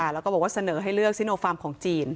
แล้วก็บอกว่าเสนอให้เลือกซิโนฟาร์มของจีน